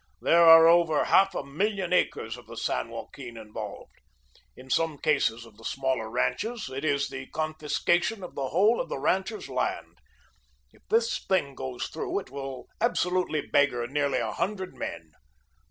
There are over half a million acres of the San Joaquin involved. In some cases of the smaller ranches, it is the confiscation of the whole of the rancher's land. If this thing goes through, it will absolutely beggar nearly a hundred men.